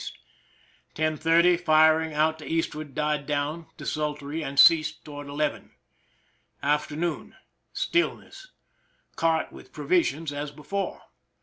10 : 30, fir ing out to E<i died down, desultory, and ceased toward 11. Afternoon. Stillness. Cart with provisions, as before.